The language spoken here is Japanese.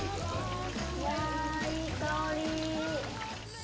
わあいい香り。